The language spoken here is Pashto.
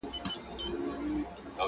چي اوږدې نه کړي هیڅوک پښې له شړیو،